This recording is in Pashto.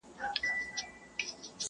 یوازي له منصور سره لیکلی وو ښاغلی،